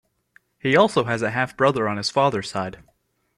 He also has a half brother on his father's side.